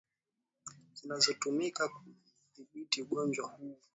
zinazotumika kuudhibiti ugonjwa huu